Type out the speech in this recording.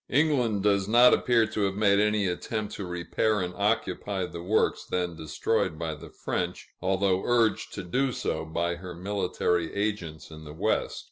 England does not appear to have made any attempt to repair and occupy the works then destroyed by the French, although urged to do so by her military agents in the West.